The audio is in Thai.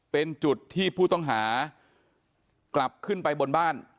เป็นจุดที่ผู้ต้องหากลับขึ้นไปบนบ้าน